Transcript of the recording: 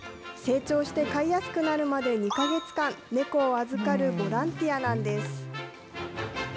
成長して飼いやすくなるまで２か月間、猫を預かるボランティアなんです。